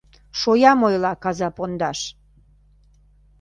Шоям ойла каза пондаш!